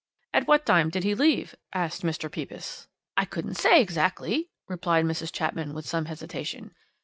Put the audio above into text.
"'At what time did he leave?' asked Mr. Pepys. "'I couldn't say exactly,' replied Mrs. Chapman with some hesitation.